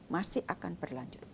masih akan berlanjut